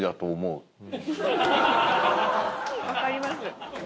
分かります。